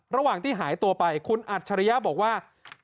ระหว่างที่หายตัวไปคุณอัจฉริยะบอกว่า